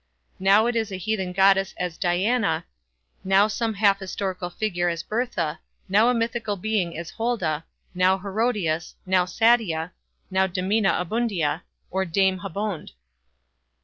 Now it is a heathen goddess as Diana ; now some half historical character as Bertha ; now a mythical being as Holda ; now Herodias ; now Satia ; now Domina Abundia, or Dame Habonde.